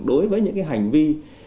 đối với những hành vi